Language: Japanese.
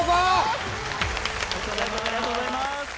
ありがとうございます。